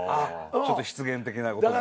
ちょっと失言的なことも。